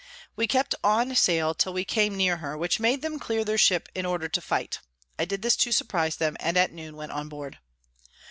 We kept on sail till we came near her, which made them clear their Ship in order to fight: I did this to surprize them, and at Noon went on board.